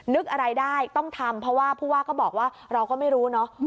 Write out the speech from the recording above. นึกอะไรได้ต้องทำเพราะว่าผู้ว่าก็บอกว่าเราก็ไม่รู้เนอะ